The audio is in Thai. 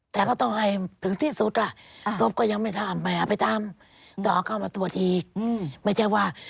แต่ก็ต้องใจถึงที่สุดล่ะก็ยังไม่ทำไปหาไปตามโตะเข้ามาตรวจไม่ใช่ว่า